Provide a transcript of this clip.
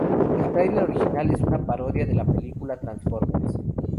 El trailer original es una parodia de la película Transformers.